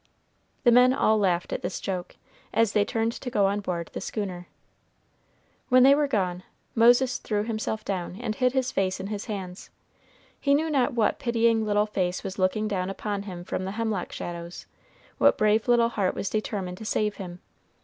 The men all laughed at this joke, as they turned to go on board the schooner. When they were gone, Moses threw himself down and hid his face in his hands. He knew not what pitying little face was looking down upon him from the hemlock shadows, what brave little heart was determined to save him.